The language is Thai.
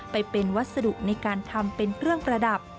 ไปเป็นวัสดุในการทำเป็นเครื่องประดับ